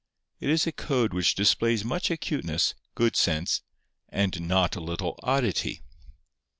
It is a code which displays much acuteness, good sense, and not a little oddity.